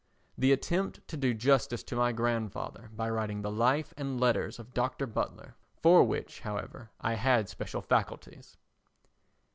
The attempt to do justice to my grandfather by writing The Life and Letters of Dr. Butler for which, however, I had special facilities.